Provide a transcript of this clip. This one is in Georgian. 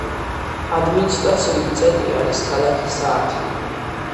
ადმინისტრაციული ცენტრი არის ქალაქი საათლი.